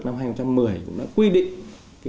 năm hai nghìn một mươi cũng đã quy định